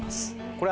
これ。